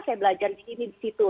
saya belajar gini gini di situ